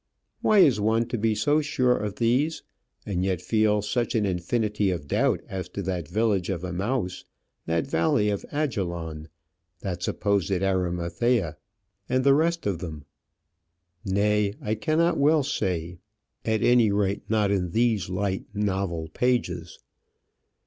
Why is one to be so sure of these, and yet feel such an infinity of doubt as to that village of Emmaus, that valley of Ajalon, that supposed Arimathea, and the rest of them? Nay, I cannot well say, at any rate not in these light novel pages.